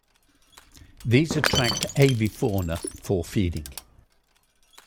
These attract avifauna for feeding.